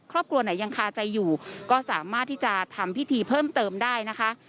ครอบครัวไหนยังคาใจอยู่ก็สามารถที่จะทำพิธีเพิ่มเติมได้นะคะ